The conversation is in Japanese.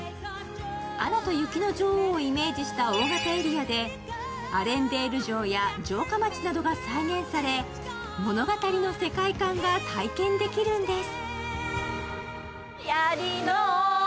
「アナと雪の女王」をイメージした大型エリアでアレンデール城や城下町などが再現され物語の世界観が体験できるんです。